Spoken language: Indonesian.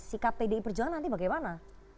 sikap pdi perjuangan nanti bagaimana